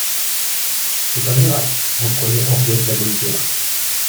C’est un miracle, reprenait Henriette la Gaultière.